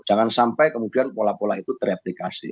jangan sampai kemudian pola pola itu tereplikasi